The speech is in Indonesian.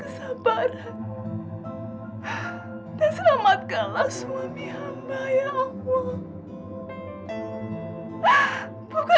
ibu saya maafkan bapak